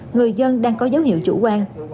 người dân đang có dấu hiệu chủ quan